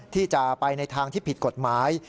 ที่จะไปในทางที่ผิดกฎหมาย